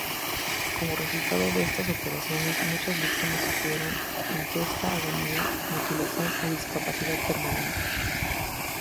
Como resultado de estas operaciones, muchas víctimas sufrieron intensa agonía, mutilación o discapacidad permanente.